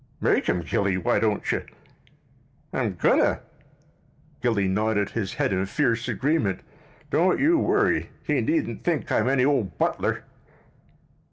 "Make him, Gilly, why don't you?" "I'm going to." Gilly nodded his head in fierce agreement. "Don't you worry. He needn't think I'm any ole butler."